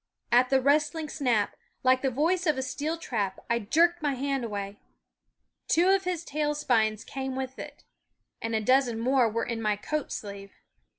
At the rustling snap, like the voice of a steel trap, I jerked my hand away. Two of his tail spines came with it ; and a dozen more were in my coat sleeve.